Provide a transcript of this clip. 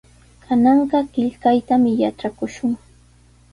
Kananqa qillqaytami yatrakushun.